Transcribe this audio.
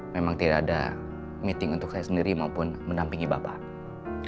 memang tidak ada meeting untuk saya sendiri maupun menampingi bapak